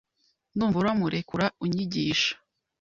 Ndumva uramurekura unyigisha